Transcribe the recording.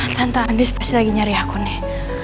tante andis pasti lagi nyari aku nih